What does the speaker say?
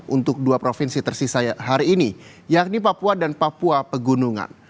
untuk dua provinsi tersisa hari ini yakni papua dan papua pegunungan